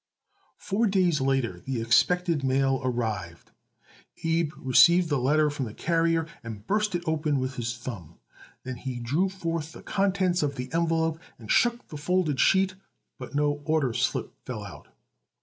Four days later the expected mail arrived. Abe received the letter from the carrier and burst it open with his thumb. Then he drew forth the contents of the envelope and shook the folded sheet, but no order slip fell out.